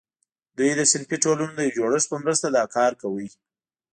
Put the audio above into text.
دوی د صنفي ټولنو د یو جوړښت په مرسته دا کار کاوه.